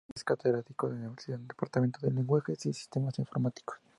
Es Catedrático de Universidad en el Departamento de Lenguajes y Sistemas Informáticos.